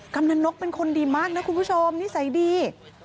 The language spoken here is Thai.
กำลังนกเป็นคนดีมากนะคุณผู้ชมนิสัยดี